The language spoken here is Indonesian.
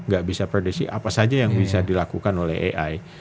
gak bisa prediksi apa saja yang bisa dilakukan oleh ai